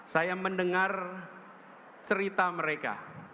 saya mendengar cerita mereka